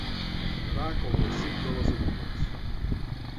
Quedar com el cec de les agulles.